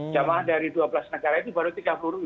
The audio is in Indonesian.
jemaah dari dua belas negara itu baru tiga guru